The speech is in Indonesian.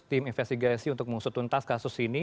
tim investigasi untuk mengusutuntas kasus ini